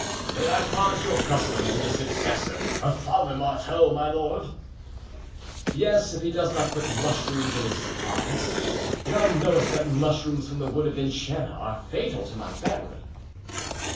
"May I promise your custom to the successor of Father Marteau, my lord?" "Yes, if he does not put mushrooms in his pies; thou knowest that mushrooms from the wood of Vincennes are fatal to my family."